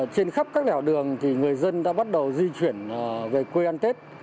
trên khắp các lẻo đường người dân đã bắt đầu di chuyển về quê ăn tết